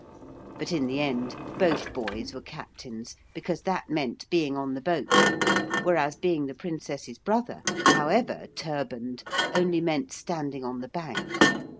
(But in the end both boys were captains, because that meant being on the boat, whereas being the Princess's brother, however turbanned, only meant standing on the bank.